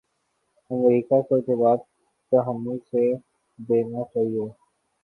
امریکہ کو جواب تحمل سے دینا چاہیے۔